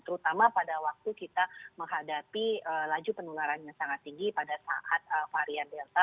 terutama pada waktu kita menghadapi laju penularan yang sangat tinggi pada saat varian delta